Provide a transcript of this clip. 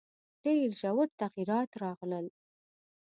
ډېر ژور تغییرات راغلل.